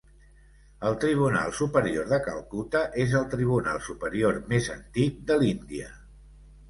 El Tribunal Superior de Calcuta és el tribunal superior més antic de l'Índia.